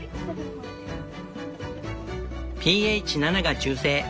ｐＨ７が中性。